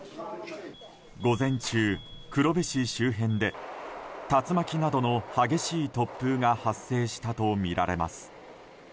午前中、黒部市周辺で竜巻などの激しい突風が発生したとみられます。